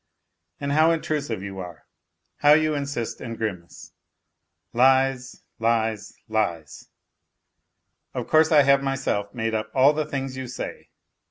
And how intrusive you are, how you insist and grimace ! Lies, lies, lies !" Of course I have myself made up all the things you say.